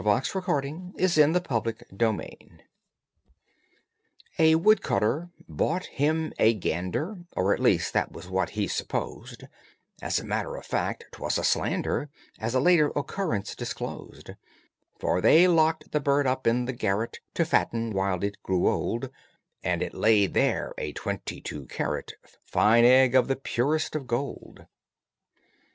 THE UNUSUAL GOOSE AND THE IMBECILIC WOODCUTTER A woodcutter bought him a gander, Or at least that was what he supposed, As a matter of fact, 'twas a slander As a later occurrence disclosed; For they locked the bird up in the garret To fatten, the while it grew old, And it laid there a twenty two carat Fine egg of the purest of gold!